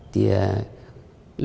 thì đồng chí hô là